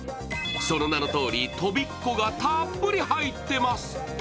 その名のとおり、とびっこがたくさん入っています。